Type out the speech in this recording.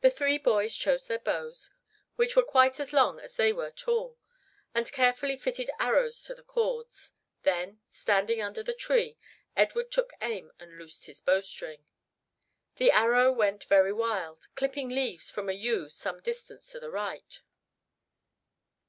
The three boys chose their bows, which were quite as long as they were tall, and carefully fitted arrows to the cords. Then, standing under the tree, Edward took aim and loosed his bowstring. The arrow went very wild, clipping leaves from a yew some distance to the right.